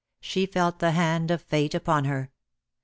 She felt the hand of fate upon her.